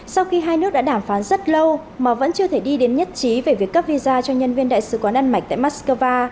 sau khi hai nước đã đàm phán rất lâu mà vẫn chưa thể đi đến nhất trí về việc cấp visa cho nhân viên đại sứ quán đan mạch tại moscow